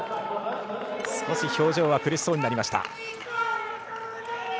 少し表情は苦しそうになりました。